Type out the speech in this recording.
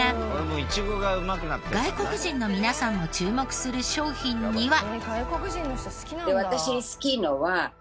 外国人の皆さんも注目する商品には。